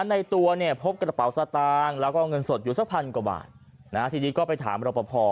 ในตัวเนี่ยพบกระเป๋าสตางค์แล้วก็เงินสดอยู่สักพันกว่าบาทนะฮะทีนี้ก็ไปถามรอปภ